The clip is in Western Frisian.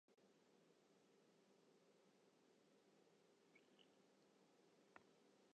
As de deadline net helle wurdt dan moat de subsydzje werombetelle wurde.